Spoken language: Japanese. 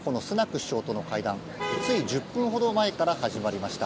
首相との会談がつい１０分ほど前から始まりました。